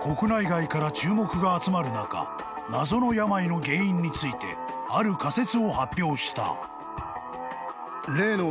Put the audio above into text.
［国内外から注目が集まる中謎の病の原因についてある仮説を発表した］